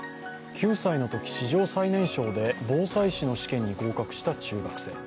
９歳のとき、史上最年少で防災士の試験に合格した中学生。